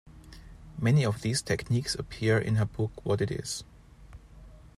Many of these techniques appear in her book "What It Is".